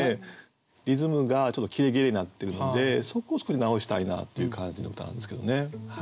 リズムがちょっと切れ切れになってるのでそこを少し直したいなという感じの歌なんですけどね。